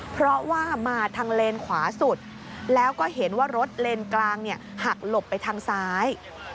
เพราะว่ามาทางเลนขวาสุดแล้วก็เห็นว่ารถเลนกลางหักหลบไปทางซ้าย